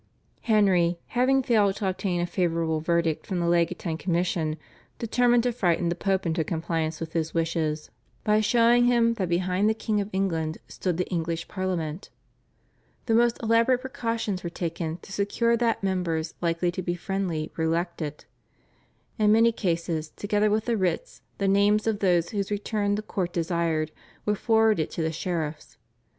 Henry, having failed to obtain a favourable verdict from the legatine commission, determined to frighten the Pope into compliance with his wishes by showing him that behind the King of England stood the English Parliament. The most elaborate precautions were taken to secure that members likely to be friendly were elected. In many cases together with the writs the names of those whose return the court desired were forwarded to the sheriffs.